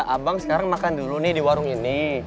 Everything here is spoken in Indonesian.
abang sekarang makan dulu nih di warung ini